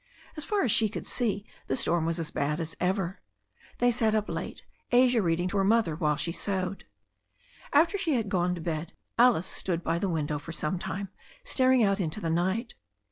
As far as she could see, the storm was as bad as ever. They sat up late, Asia reading to her mother while she sewed. After she had gone to bed Alice stood by the window for some time staring out into the night.